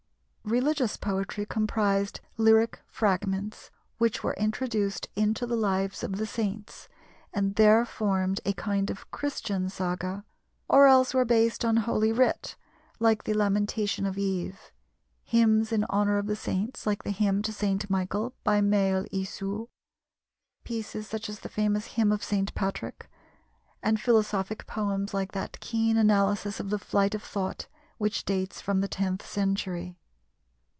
Religious poetry comprised lyric fragments, which were introduced into the lives of the saints and there formed a kind of Christian saga, or else were based on Holy Writ, like the Lamentation of Eve; hymns in honor of the saints, like The Hymn to St. Michael, by Mael Isu; pieces such as the famous Hymn of St. Patrick; and philosophic poems like that keen analysis of the flight of thought which dates from the tenth century.